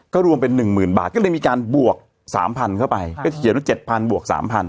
ก็รวมเป็น๑๐๐๐บาทก็เลยมีการบวก๓๐๐เข้าไปก็เขียนว่า๗๐๐บวก๓๐๐